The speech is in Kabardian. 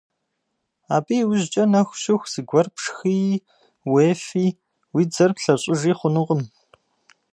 Абы и ужькӀэ нэху щыху зыгуэр пшхыи, уефи, уи дзэр плъэщӀыжи хъунукъым.